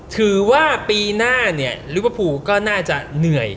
ถือว่าปีหน้าเนี่ยลูกปะภูก็น่าจะเหนื่อย